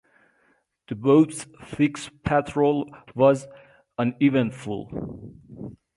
The boat's sixth patrol was uneventful.